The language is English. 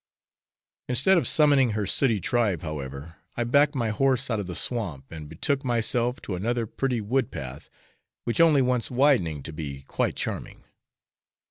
Instead of summoning her sooty tribe, however, I backed my horse out of the swamp, and betook myself to another pretty woodpath, which only wants widening to be quite charming.